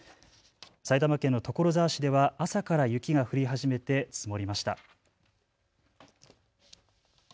埼玉県の所沢市では朝から雪が降り始めて積もりました。